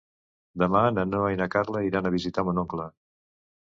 Demà na Noa i na Carla iran a visitar mon oncle.